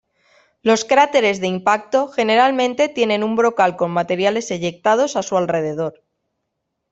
Los cráteres de impacto generalmente tienen un brocal con materiales eyectados a su alrededor.